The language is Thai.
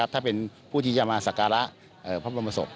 ถ้าเป็นผู้ที่จะมาสักการะพระบรมศพ